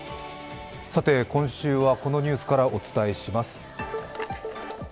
今週はこのニュースからお伝えします。